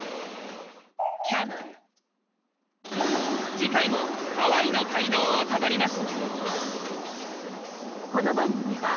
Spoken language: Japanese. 次回もハワイの街道をたどります。